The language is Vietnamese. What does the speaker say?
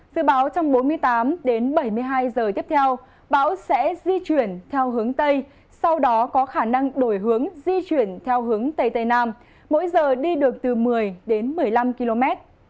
dự báo trong bốn mươi tám đến bảy mươi hai giờ tiếp theo bão sẽ di chuyển theo hướng tây sau đó có khả năng đổi hướng di chuyển theo hướng tây tây nam mỗi giờ đi được từ một mươi đến một mươi năm km